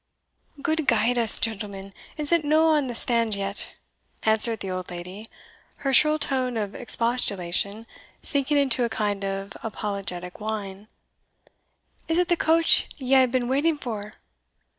Gude guide us, gentlemen, is it no on the stand yet?" answered the old lady, her shrill tone of expostulation sinking into a kind of apologetic whine. "Is it the coach ye hae been waiting for?"